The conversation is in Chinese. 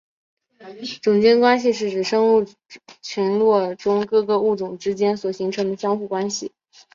种间关系是指生物群落中各个物种之间所形成相互关系。